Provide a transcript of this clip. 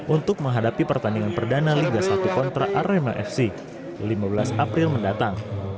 untuk menghadapi pertandingan perdana liga satu kontra arema fc lima belas april mendatang